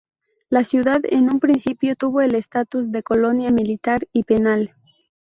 La ciudad en un principio tuvo el estatus de colonia militar y penal.